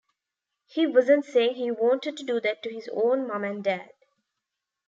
He wasn't saying he wanted to do that to his own mom and dad.